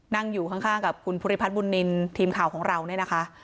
นั่งอยู่ข้างกับคุณภูริพัฒนบุญนินทีมข่าวของเราเนี่ยนะคะ